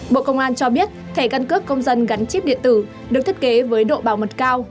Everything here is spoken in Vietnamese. bộ công an cho biết thẻ căn cước công dân gắn chip điện tử được thiết kế với độ bảo mật cao